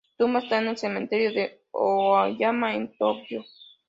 Su tumba está en el cementerio de Aoyama en Tokyo.